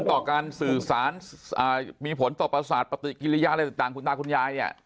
ต่อการสื่อสารมีผลต่อประสาทปฏิกิริยาอะไรต่างคุณตาคุณยายเนี่ย